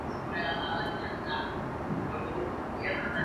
Se casó en cinco ocasiones y tuvo siete hijos.